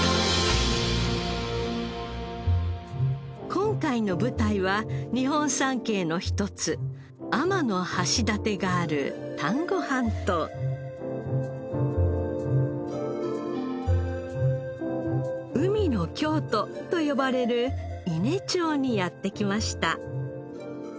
今回の舞台は日本三景の一つ天橋立がある丹後半島海の京都と呼ばれる伊根町にやって来ました